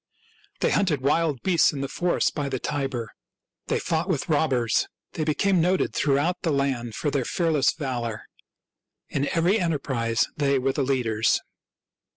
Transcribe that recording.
They hunted wild beasts in the forest by the Tiber ; they fought with robbers ; they became noted throughout the land for their fearless valor. In every enterprise they were the leaders.